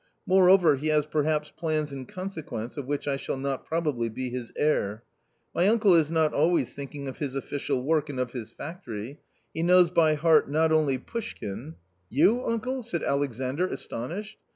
Moreover, he has per haps plans in consequence of which I shall not probably be his heir. My uncle is not always thinking of his official I work and of his factory; he knows by heart not only ' Pushkin »— "You, uncle?" said Alexandr astonished.